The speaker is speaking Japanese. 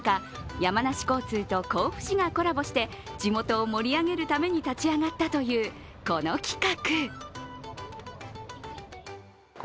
山梨交通と甲府市がコラボして地元を盛り上げるために立ち上がったというこの企画。